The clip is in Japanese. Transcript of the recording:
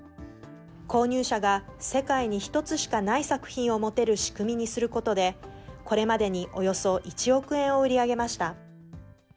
購入者が、世界に１つしかない作品を持てる仕組みにすることで、これまでにおよそ１億円を売り上げました。